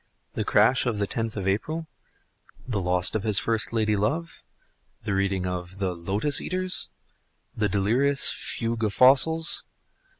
the crash of the tenth of April? the loss of his first lady love? the reading of the "Lotus eaters?" the delirious Fugue of Fossils?